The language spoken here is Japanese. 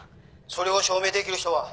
それを証明出来る人は？